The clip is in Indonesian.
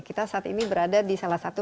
kita saat ini berada di salah satu